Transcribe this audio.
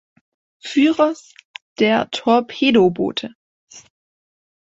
Führers der Torpedoboote.